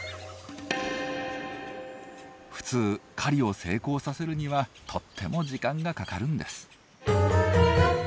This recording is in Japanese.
普通狩りを成功させるにはとっても時間がかかるんです。